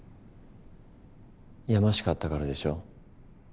やましかったからでしょ。